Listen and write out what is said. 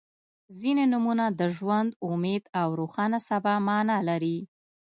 • ځینې نومونه د ژوند، امید او روښانه سبا معنا لري.